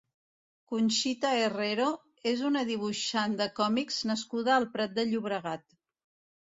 Conxita Herrero és una dibuixant de còmics nascuda al Prat de Llobregat.